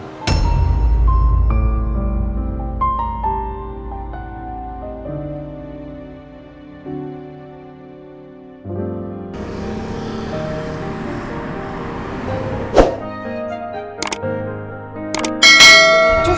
hal ini harus candidil